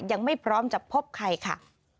ยังไม่พร้อมจะพบใครค่ะ